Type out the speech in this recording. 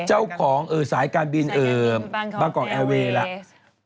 เจ้าของสายการบินบางกอกแอร์เวย์แล้ว